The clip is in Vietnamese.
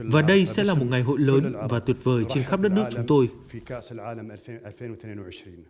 và đây sẽ là một ngày hội lớn và tuyệt vời trên khắp đất nước chúng tôi